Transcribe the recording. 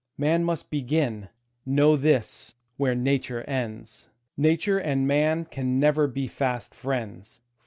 Man must begin, know this, where Nature ends; Nature and man can never be fast friends.